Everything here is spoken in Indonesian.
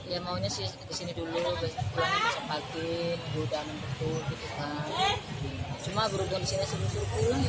ya maunya sih ke sini